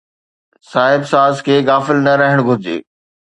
صاحب ساز کي غافل نه رهڻ گهرجي